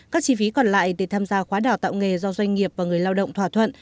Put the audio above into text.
các chi phí còn lại để tham gia khóa đào tạo nghề do doanh nghiệp và người lao động thỏa thuận